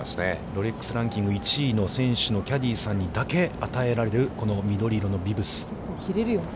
ロレックス・ランキング１位の選手のキャディーさんにだけ与えられる、緑色のビブス。